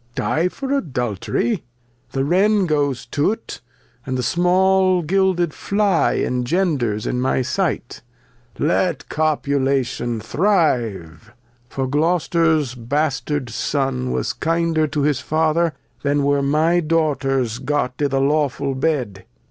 Die for Adultery ! The Wren goes to't, and the small gilded FHe Act iv] King Lear 23J Engenders in my Sight : Let Copulation Thrive, For Gloster's Bastard Son was kinder to his Father Than were my Daughters got i' th' lawfull Bed.